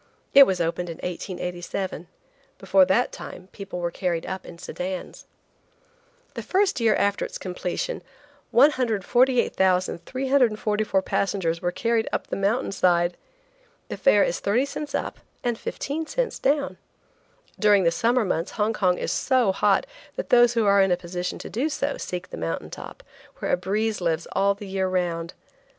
It was opened in 1887. Before that time people were carried up in sedans. The first year after its completion 148,344 passengers were carried up the mountain side. The fare is thirty cents up and fifteen cents down. During the summer months Hong Kong is so hot that those who are in a position to do so seek the mountain top, where a breeze lives all the year round.